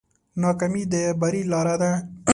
ناکامي د بری لاره ده.